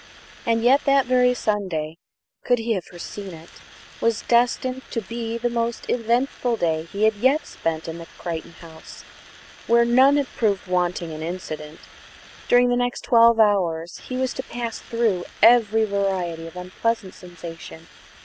And yet that very Sunday, could he have foreseen it, was destined to be the most eventful day he had yet spent at Crichton House, where none had proved wanting in incident. During the next twelve hours he was to pass through every variety of unpleasant sensation.